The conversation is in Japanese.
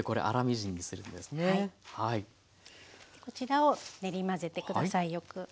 こちらを練り混ぜて下さいよく。